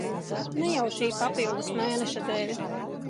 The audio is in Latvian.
Ne jau šī papildus mēneša dēļ.